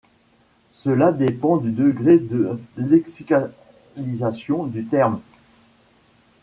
Cela dépend du degré de lexicalisation du terme.